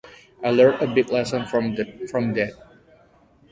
I learned a big lesson from that.